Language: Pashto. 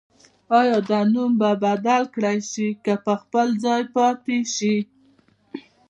آیا دا نوم به بدل کړل شي که په خپل ځای پاتې شي؟